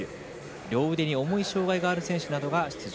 両腕に重い障がいがある選手などが出場。